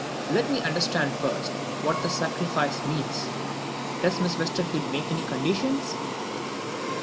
"Let me understand first what the sacrifice means. Does Miss Westerfield make any conditions?"